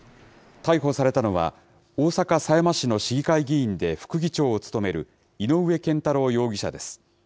逮捕されたのは、大阪狭山市の市議会議員で副議長を務める井上健太郎容疑者です。